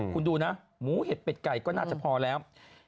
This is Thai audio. คุณดูนะหมูเห็ดเป็ดไก่ก็น่าจะพอแล้ว